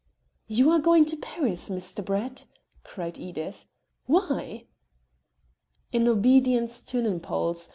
"You are going to Paris, Mr. Brett!" cried Edith. "Why?" "In obedience to an impulse.